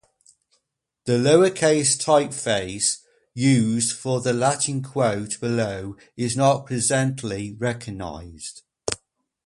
The lower-case typeface used for the Latin quote below is not presently recognised.